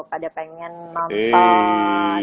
pada pengen nonton